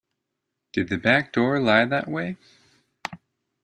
Did the back door lie that way?